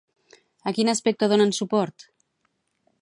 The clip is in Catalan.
A quin aspecte donen suport?